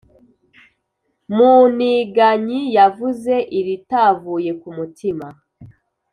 muniganyi yavuze iritavuye ku mutima,